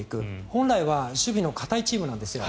本来は守備の堅いチームなんですよ。